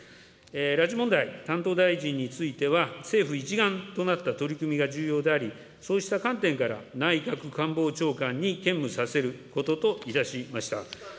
拉致問題担当大臣については、政府一丸となった取り組みが重要であり、そうした観点から内閣官房長官に兼務させることといたしました。